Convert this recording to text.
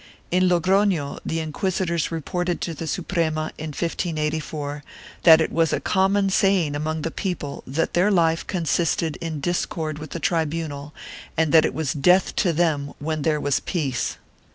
2 In Logrono, the inquisitors reported to the Suprema, in 1584, that it was a common saying among the people that their life consisted in discord with the tribunal and that it was death to them when there was peace.